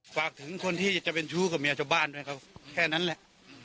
ฝากถึงคนที่จะเป็นชู้กับเมียชาวบ้านด้วยครับแค่นั้นแหละ